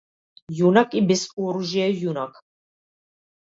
Јунак и без оружје е јунак.